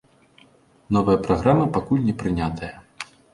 Новая праграма пакуль не прынятая.